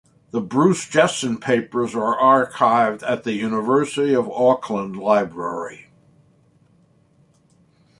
The Bruce Jesson papers are archived at the University of Auckland Library.